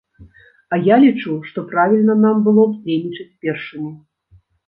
А я лічу, што правільна нам было б дзейнічаць першымі.